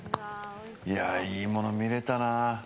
いいもの見れたな。